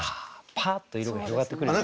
パーッと色が広がってくるようなね。